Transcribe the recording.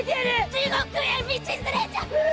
地獄へ道連れじゃ！